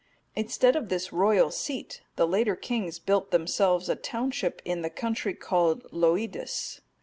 Instead of this royal seat the later kings built themselves a township in the country called Loidis.